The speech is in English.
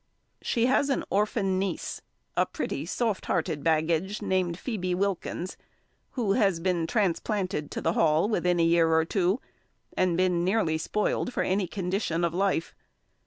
She has an orphan niece, a pretty, soft hearted baggage, named Phoebe Wilkins, who has been transplanted to the Hall within a year or two, and been nearly spoiled for any condition of life.